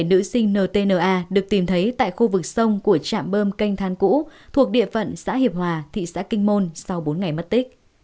một mươi nữ sinh ntna được tìm thấy tại khu vực sông của trạm bơm canh cũ thuộc địa phận xã hiệp hòa thị xã kinh môn sau bốn ngày mất tích